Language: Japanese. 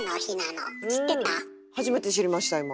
初めて知りました今。